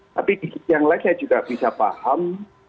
tapi di sisi yang lain saya juga bisa paham